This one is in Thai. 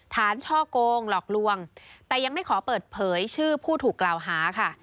ช่อกงหลอกลวงแต่ยังไม่ขอเปิดเผยชื่อผู้ถูกกล่าวหาค่ะ